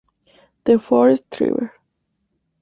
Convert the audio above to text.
The Forest River.